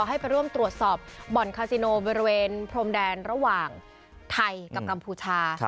ให้ไปร่วมตรวจสอบบ่อนคาซิโนบริเวณพรมแดนระหว่างไทยกับกัมพูชา